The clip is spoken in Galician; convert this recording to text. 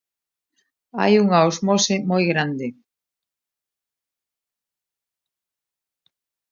Hai unha osmose moi grande.